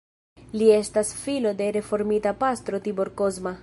Li estas filo de reformita pastro Tibor Kozma.